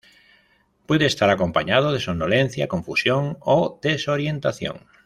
Puede estar acompañado de somnolencia, confusión o desorientación.